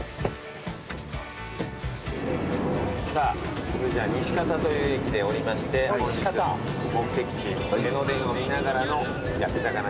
さぁそれじゃ西方という駅で降りまして本日の目的地江ノ電を見ながらの焼き魚定食。